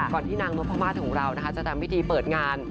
ก่อนที่นางรมพม่าของเราจะทำวิธีเปิดงาน